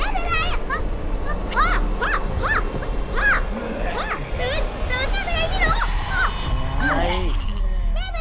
พี่ปั้ง